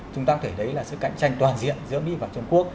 chúng ta có thể đấy là sự cạnh tranh toàn diện giữa mỹ và trung quốc